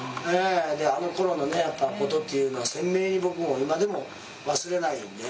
あのころのことっていうのは鮮明に僕も今でも忘れないんで。